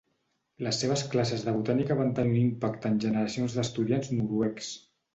Les seves classes de botànica van tenir un impacte en generacions d'estudiants noruecs.